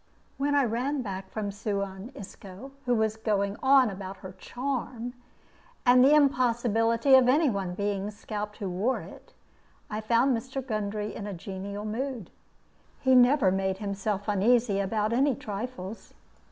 When I ran back from Suan Isco, who was going on about her charm, and the impossibility of any one being scalped who wore it, I found Mr. Gundry in a genial mood. He never made himself uneasy about any trifles.